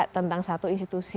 tentang satu institusi